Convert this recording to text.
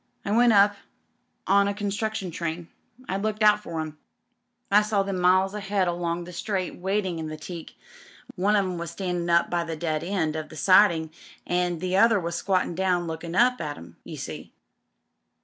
I went up on a con struction train. I looked out for 'em. I saw them miles ahead along the straight, waiting in the teak. One of 'em was standin' up by the dead end of the siding an' the other was squattin' down lookin' up at 'im, you see."